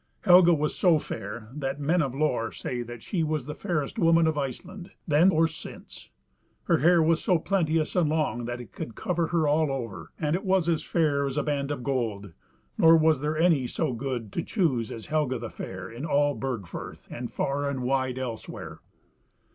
Helga was so fair, that men of lore say that she was the fairest woman of Iceland, then or since; her hair was so plenteous and long that it could cover her all over, and it was as fair as a band of gold; nor was there any so good to choose as Helga the Fair in all Burgfirth, and far and wide elsewhere.